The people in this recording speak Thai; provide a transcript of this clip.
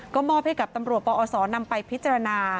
ก็มอบให้กับตำรวจปอศนำไปพิจารณา